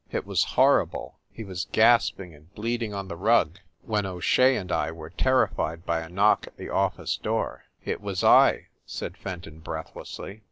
It was horrible ; he was gasping and bleeding on the rug when O Shea and I were terri fied by a knock at the office door." "It was I," said Fenton breathlessly.